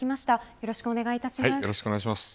よろしくお願いします。